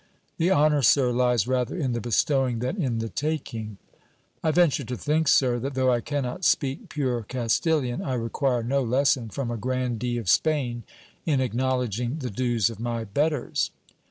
'The honour, sir, lies rather in the bestowing than in the taking.' 'I venture to think, sir, that though I cannot speak pure Castilian, I require no lesson from a Grandee of Spain in acknowledging the dues of my betters.'